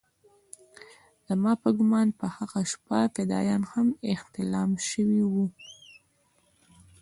زما په ګومان په هغه شپه فدايان هم احتلام سوي وو.